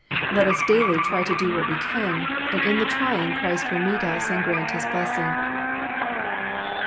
Let us daily try to do what we can, and in the trying Christ will meet us and grant His blessing.